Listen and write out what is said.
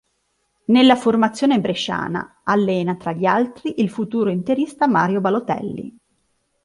Nella formazione bresciana allena, tra gli altri, il futuro interista Mario Balotelli.